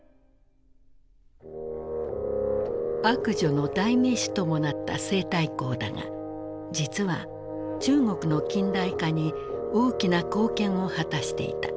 「悪女」の代名詞ともなった西太后だが実は中国の近代化に大きな貢献を果たしていた。